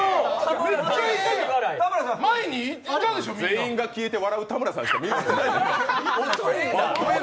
全員が消えて笑う田村さんしか写ってないやん！